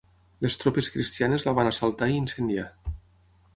Les tropes cristianes la van assaltar i incendiar.